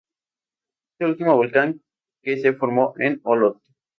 Es el último volcán que se formó en Olot.